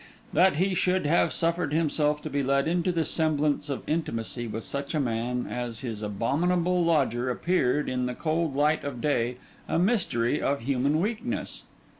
That he should have suffered himself to be led into the semblance of intimacy with such a man as his abominable lodger, appeared, in the cold light of day, a mystery of human weakness.